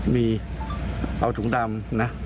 มีเอาถุงดำนะ